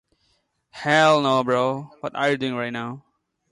The official website is no longer up.